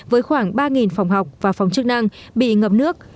với khoảng ba phòng học và phòng chức năng bị ngập nước